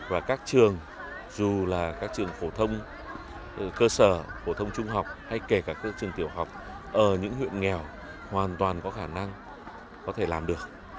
và các trường dù là các trường phổ thông cơ sở phổ thông trung học hay kể cả các trường tiểu học ở những huyện nghèo hoàn toàn có khả năng có thể làm được